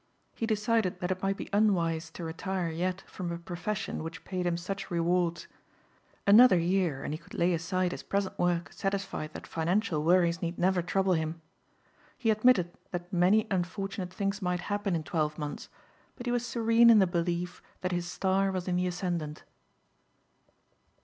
He decided that it might be unwise to retire yet from a profession which paid him such rewards. Another year and he could lay aside his present work satisfied that financial worries need never trouble him. He admitted that many unfortunate things might happen in twelve months but he was serene in the belief that his star was in the ascendant.